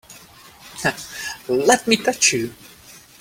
Let me touch you!